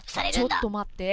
ちょっと待って。